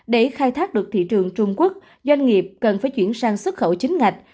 để khai thác được thị trường trung quốc doanh nghiệp cần phải chuyển sang xuất khẩu chính ngạch